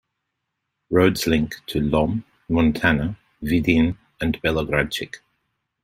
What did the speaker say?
Roads link to Lom, Montana, Vidin and Belogradchik.